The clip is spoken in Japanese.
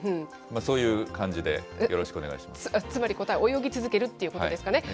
そういう感じでよろしくお願いしつまり答え、泳ぎ続けるということですかね。